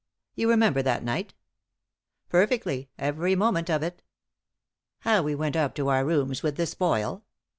You remember that night ?" rt Perfectly, every moment of it." " How we went up to our rooms with the spoil